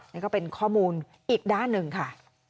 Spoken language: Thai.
นี่ก็เป็นข้อมูลอีกด้านหนึ่งค่ะ